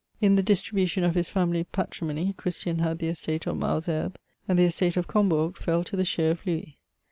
In the distribution of his family patrimony, Christian had the estate of M alesherbes ; and the estate of Combourg fell to the share of Louis.